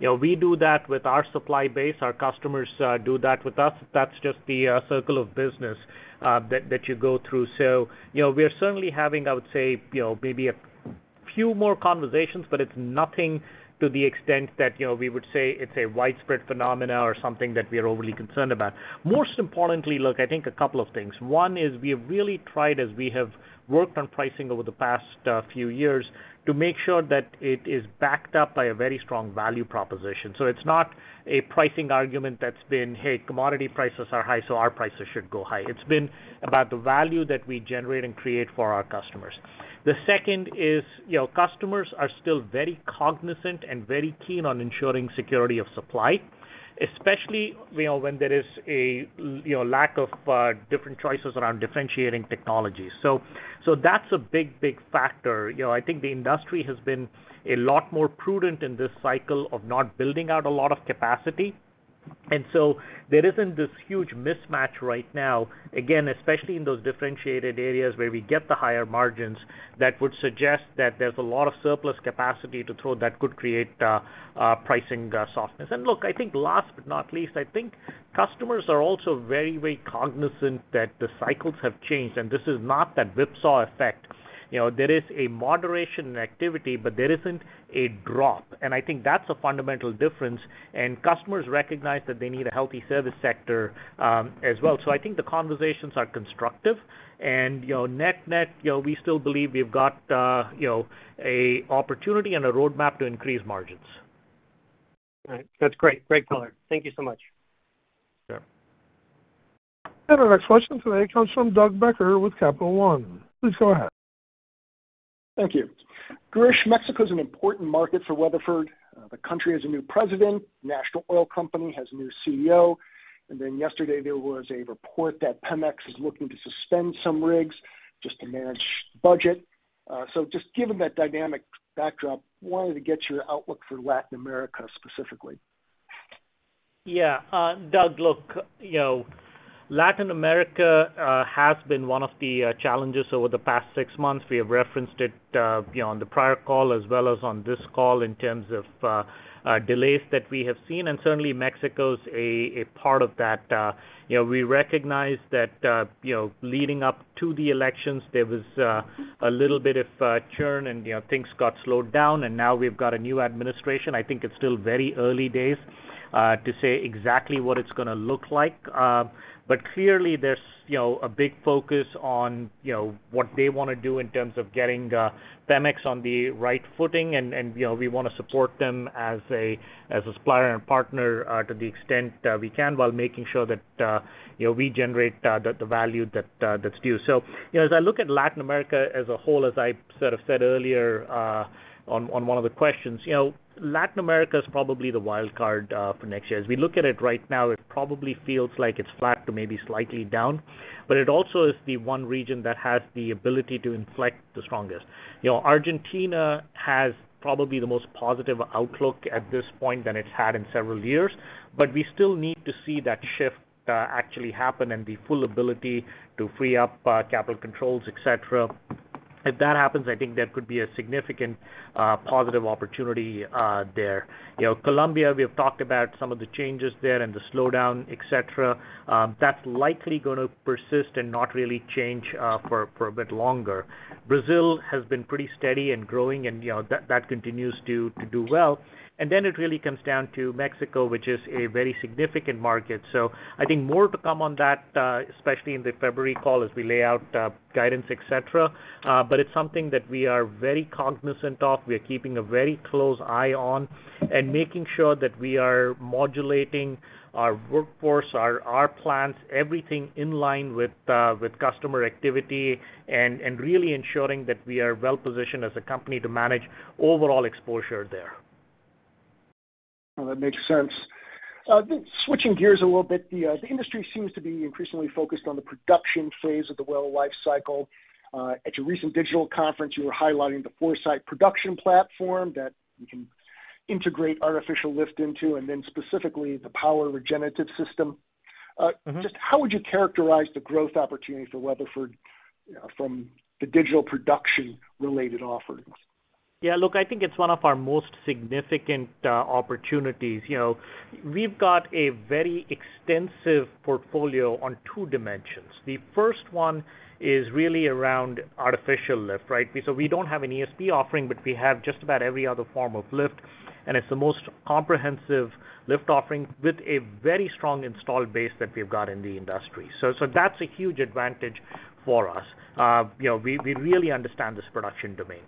You know, we do that with our supply base. Our customers do that with us. That's just the circle of business that you go through. So, you know, we are certainly having, I would say, you know, maybe a few more conversations, but it's nothing to the extent that, you know, we would say it's a widespread phenomena or something that we are overly concerned about. Most importantly, look, I think a couple of things. One is we have really tried, as we have worked on pricing over the past few years, to make sure that it is backed up by a very strong value proposition. So it's not a pricing argument that's been, hey, commodity prices are high, so our prices should go high. It's been about the value that we generate and create for our customers. The second is, you know, customers are still very cognizant and very keen on ensuring security of supply, especially, you know, when there is a lack of different choices around differentiating technologies. So, that's a big, big factor. You know, I think the industry has been a lot more prudent in this cycle of not building out a lot of capacity. And so there isn't this huge mismatch right now, again, especially in those differentiated areas where we get the higher margins, that would suggest that there's a lot of surplus capacity to throw that could create pricing softness. And look, I think last but not least, I think customers are also very, very cognizant that the cycles have changed, and this is not that whipsaw effect. You know, there is a moderation in activity, but there isn't a drop, and I think that's a fundamental difference, and customers recognize that they need a healthy service sector, as well. So I think the conversations are constructive, and, you know, net-net, you know, we still believe we've got, you know, a opportunity and a roadmap to increase margins. All right. That's great. Great color. Thank you so much. Sure. Our next question today comes from Doug Becker with Capital One. Please go ahead. Thank you. Girish, Mexico is an important market for Weatherford. The country has a new president, national oil company has a new CEO, and then yesterday, there was a report that Pemex is looking to suspend some rigs just to manage budget. So just given that dynamic backdrop, wanted to get your outlook for Latin America, specifically. Yeah. Doug, look, you know, Latin America has been one of the challenges over the past six months. We have referenced it, you know, on the prior call as well as on this call in terms of delays that we have seen, and certainly Mexico's a part of that. You know, we recognize that, you know, leading up to the elections, there was a little bit of churn and, you know, things got slowed down, and now we've got a new administration. I think it's still very early days to say exactly what it's gonna look like. But clearly, there's, you know, a big focus on, you know, what they wanna do in terms of getting Pemex on the right footing, and, you know, we wanna support them as a supplier and partner to the extent we can, while making sure that, you know, we generate the value that's due. So, you know, as I look at Latin America as a whole, as I sort of said earlier, on one of the questions, you know, Latin America is probably the wild card for next year. As we look at it right now, it probably feels like it's flat to maybe slightly down, but it also is the one region that has the ability to inflect the strongest. You know, Argentina has probably the most positive outlook at this point than it's had in several years, but we still need to see that shift, actually happen and the full ability to free up, capital controls, et cetera. If that happens, I think there could be a significant, positive opportunity, there. You know, Colombia, we have talked about some of the changes there and the slowdown, et cetera. That's likely gonna persist and not really change, for a bit longer. Brazil has been pretty steady and growing, and, you know, that continues to do well. And then it really comes down to Mexico, which is a very significant market. So I think more to come on that, especially in the February call, as we lay out, guidance, et cetera. But it's something that we are very cognizant of, we are keeping a very close eye on, and making sure that we are modulating our workforce, our plants, everything in line with customer activity and really ensuring that we are well positioned as a company to manage overall exposure there. That makes sense. Switching gears a little bit, the industry seems to be increasingly focused on the production phase of the well life cycle. At your recent digital conference, you were highlighting the ForeSite production platform that you can integrate artificial lift into, and then specifically, the power regenerative system. Mm-hmm. Just how would you characterize the growth opportunity for Weatherford from the digital production-related offerings? Yeah, look, I think it's one of our most significant opportunities. You know, we've got a very extensive portfolio on two dimensions. The first one is really around artificial lift, right? So we don't have an ESP offering, but we have just about every other form of lift, and it's the most comprehensive lift offering with a very strong installed base that we've got in the industry. So that's a huge advantage for us. You know, we really understand this production domain.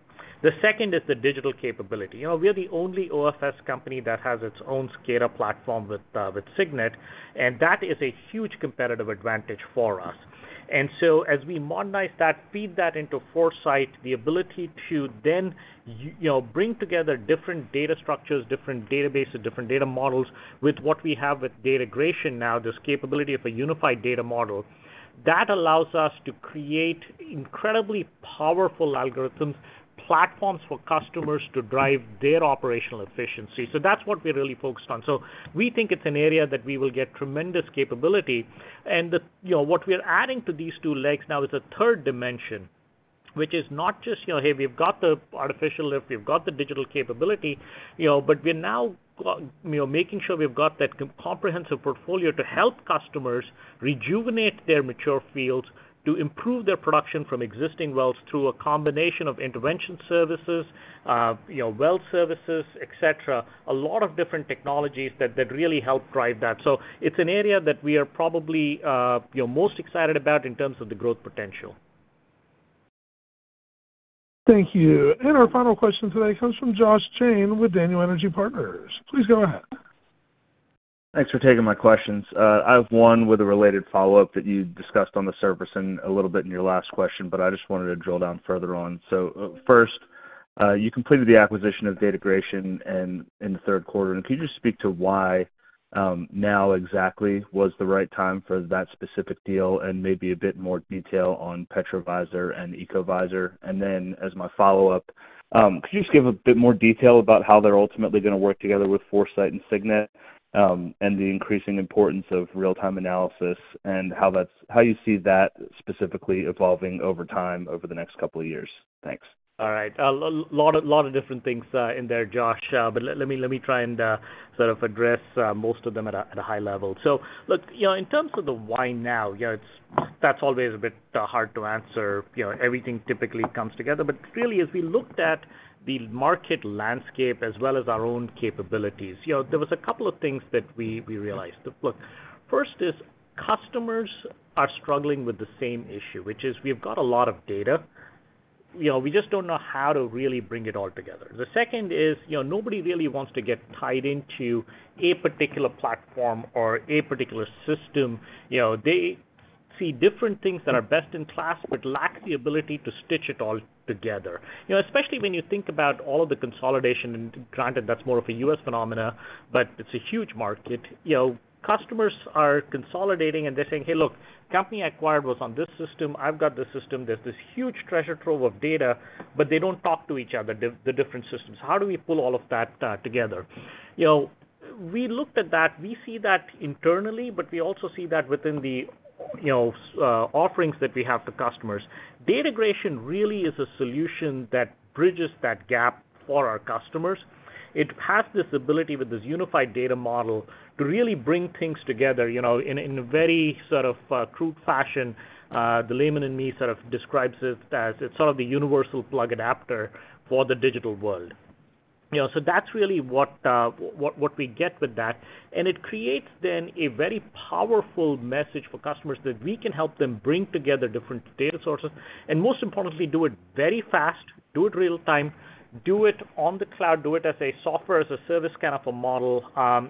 The second is the digital capability. You know, we are the only OFS company that has its own SCADA platform with CygNet, and that is a huge competitive advantage for us. As we modernize that, feed that into ForeSite, the ability to then you know, bring together different data structures, different databases, different data models with what we have with Datagration now, this capability of a unified data model, that allows us to create incredibly powerful algorithms, platforms for customers to drive their operational efficiency. That's what we're really focused on. We think it's an area that we will get tremendous capability. And, you know, what we're adding to these two legs now is a third dimension, which is not just, you know, hey, we've got the artificial lift, we've got the digital capability, you know, but we're now, you know, making sure we've got that comprehensive portfolio to help customers rejuvenate their mature fields, to improve their production from existing wells through a combination of intervention services, you know, well services, et cetera, a lot of different technologies that really help drive that. So it's an area that we are probably, you know, most excited about in terms of the growth potential. Thank you. And our final question today comes from Josh Jayne with Daniel Energy Partners. Please go ahead. Thanks for taking my questions. I have one with a related follow-up that you discussed on the surface and a little bit in your last question, but I just wanted to drill down further on so, first, you completed the acquisition of Datagration in the 3rd quarter. And can you just speak to why now exactly was the right time for that specific deal, and maybe a bit more detail on PetroVisor and EcoVisor? And then, as my follow-up, could you just give a bit more detail about how they're ultimately gonna work together with ForeSite and CygNet, and the increasing importance of real-time analysis, and how that's how you see that specifically evolving over time over the next couple of years? Thanks. All right. A lot of different things in there, Josh, but let me try and sort of address most of them at a high level. So look, you know, in terms of the why now, you know, it's. That's always a bit hard to answer. You know, everything typically comes together. But really, as we looked at the market landscape as well as our own capabilities, you know, there was a couple of things that we realized. Look, first is customers are struggling with the same issue, which is we've got a lot of data, you know, we just don't know how to really bring it all together. The second is, you know, nobody really wants to get tied into a particular platform or a particular system. You know, they see different things that are best in class, but lack the ability to stitch it all together. You know, especially when you think about all of the consolidation, and granted, that's more of a U.S. phenomenon, but it's a huge market. You know, customers are consolidating, and they're saying, "Hey, look, company acquired was on this system. I've got this system. There's this huge treasure trove of data, but they don't talk to each other, the different systems. How do we pull all of that together?" You know, we looked at that. We see that internally, but we also see that within the, you know, offerings that we have to customers. Datagration really is a solution that bridges that gap for our customers. It has this ability with this unified data model to really bring things together, you know, in a very sort of crude fashion. The layman in me sort of describes it as it's sort of the universal plug adapter for the digital world. You know, so that's really what we get with that. It creates then a very powerful message for customers that we can help them bring together different data sources, and most importantly, do it very fast, do it real time, do it on the cloud, do it as a software as a service kind of a model.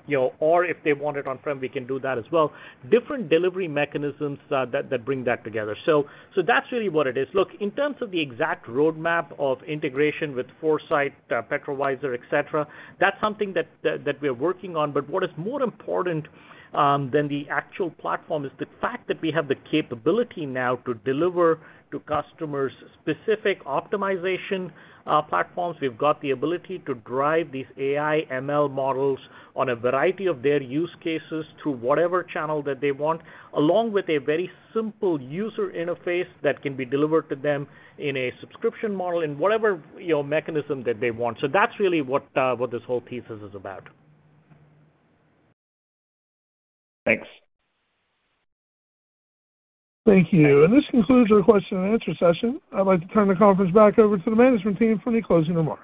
You know, or if they want it on-prem, we can do that as well. Different delivery mechanisms that bring that together. So that's really what it is. Look, in terms of the exact roadmap of integration with ForeSite, PetroVisor, et cetera, that's something that we are working on. But what is more important than the actual platform is the fact that we have the capability now to deliver to customers specific optimization platforms. We've got the ability to drive these AI ML models on a variety of their use cases through whatever channel that they want, along with a very simple user interface that can be delivered to them in a subscription model, in whatever, you know, mechanism that they want. So that's really what this whole thesis is about. Thanks. Thank you. And this concludes our question and answer session. I'd like to turn the conference back over to the management team for any closing remarks.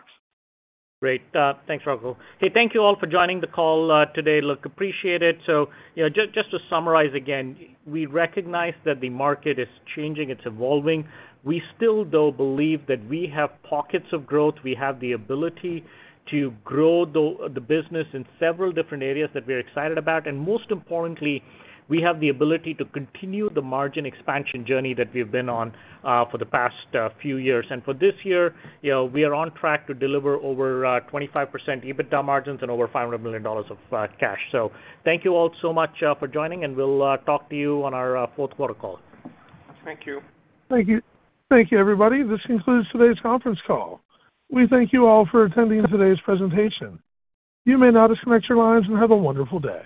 Great. Thanks, Rahul. Hey, thank you all for joining the call today. Look, appreciate it. So, you know, just to summarize again, we recognize that the market is changing, it's evolving. We still, though, believe that we have pockets of growth. We have the ability to grow the business in several different areas that we're excited about. And most importantly, we have the ability to continue the margin expansion journey that we've been on for the past few years. And for this year, you know, we are on track to deliver over 25% EBITDA margins and over $500 million of cash. So thank you all so much for joining, and we'll talk to you on our 4th quarter call. Thank you. Thank you. Thank you, everybody. This concludes today's conference call. We thank you all for attending today's presentation. You may now disconnect your lines, and have a wonderful day.